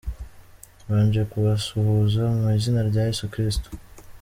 "Mbanje kubasuhuza mu izina rya Yesu Kristo.